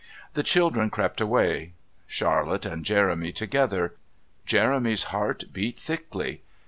The children crept away. Charlotte and Jeremy together. Jeremy's heart beat thickly.